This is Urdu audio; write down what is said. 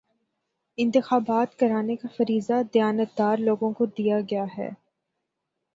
انتخابات کرانے کا فریضہ دیانتدار لوگوں کو دیا گیا ہے